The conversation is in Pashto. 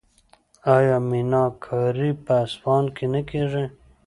آیا میناکاري په اصفهان کې نه کیږي؟